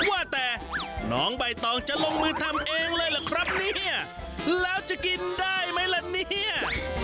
ว่าแต่น้องใบตองจะลงมือทำเองเลยเหรอครับเนี่ยแล้วจะกินได้ไหมล่ะเนี่ย